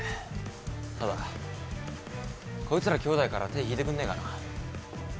ただこいつらきょうだいから手ぇ引いてくんねえかな。